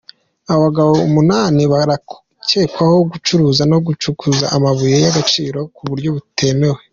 Abagabo umunani barakekwaho gucuruza no gucukura amabuye y’agaciro ku buryo butemewe